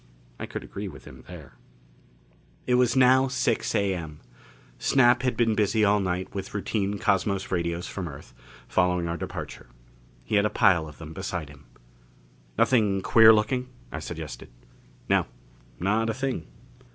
I could agree with him there.... It was now six A.M. Snap had been busy all night with routine cosmos radios from the Earth, following our departure. He had a pile of them beside him. "Nothing queer looking?" I suggested. "No. Not a thing."